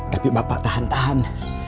tapi bapak tahan tahan